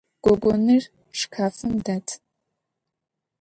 Гогоныр шкафым дэт.